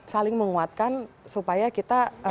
saling menguatkan supaya kita